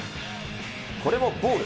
これもボール。